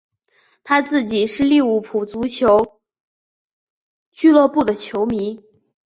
他自己是利物浦足球俱乐部的球迷。